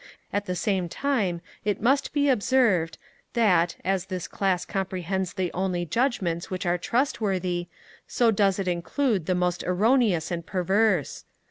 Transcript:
At the same time it must be observed that, as this Class comprehends the only judgements which are trustworthy, so does it include the most erroneous and perverse.